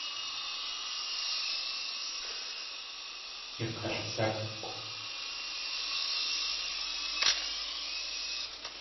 Yakalsék̲ʼw.